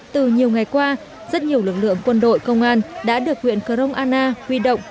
từ nhiều ngày qua rất nhiều lực lượng quân đội công an đã được huyện kroana huy động